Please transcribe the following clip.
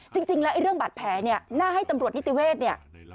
จริงแล้วเรื่องบาดแผลเนี่ยน่าให้ตำรวจนิติเวศเนี่ย